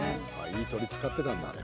いい鶏使ってたんだあれ。